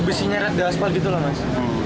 besinya red gas pak gitu lah mas